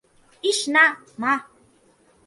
ইশ না, মা।